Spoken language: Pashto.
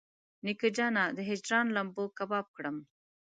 نیکه جانه د هجران لمبو کباب کړم.